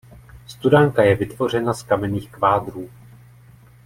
Studánka je vytvořena z kamenných kvádrů.